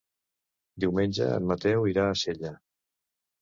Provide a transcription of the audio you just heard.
Diumenge en Mateu irà a Sella.